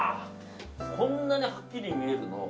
こんなにはっきり見えるの？